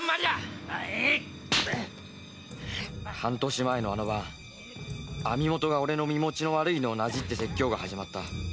〔なにっ⁉〕半年前のあの晩網元が俺の身持ちの悪いのをなじって説教が始まった。